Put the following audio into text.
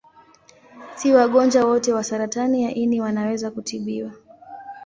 Si wagonjwa wote wa saratani ya ini wanaweza kutibiwa.